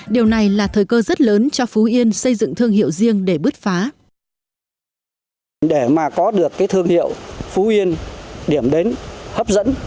điều này là thời gian của phú yên